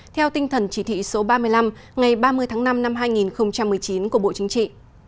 theo tinh thần chỉ thị số ba mươi năm ngày ba mươi tháng năm năm hai nghìn một mươi chín của bộ chính trị